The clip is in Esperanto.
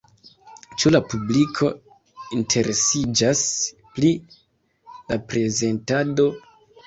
Ĉu la publiko interesiĝas pri la prezentado?